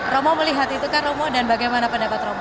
romo melihat itu kan romo dan bagaimana pendapat romo